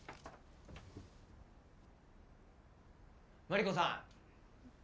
マリコさん！